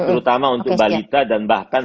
terutama untuk balita dan bahkan